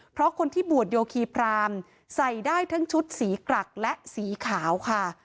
เพราะคนที่บวชโยคีพรามใส่ได้ทั้งชุดสีกรักและสีขาวค่ะ